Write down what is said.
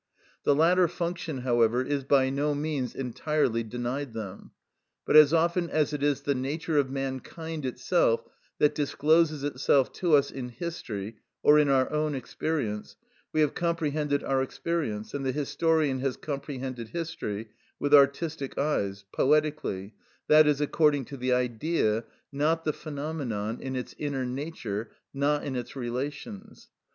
The latter function, however, is by no means entirely denied them; but as often as it is the nature of mankind itself that discloses itself to us in history or in our own experience, we have comprehended our experience, and the historian has comprehended history, with artistic eyes, poetically, i.e., according to the Idea, not the phenomenon, in its inner nature, not in its relations.